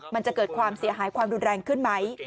มันจะเกิดความเสียหายความรุนแรงขึ้นไหม